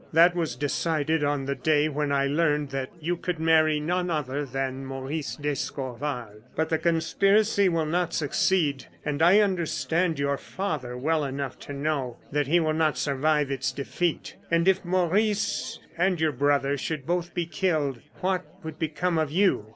That was decided on the day when I learned that you could marry none other than Maurice d'Escorval. "But the conspiracy will not succeed; and I understand your father well enough to know that he will not survive its defeat. And if Maurice and your brother should both be killed, what would become of you?